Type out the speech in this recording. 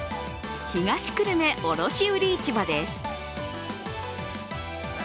東久留米卸売市場です。